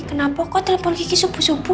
kenapa kok telepon gigi subuh subuh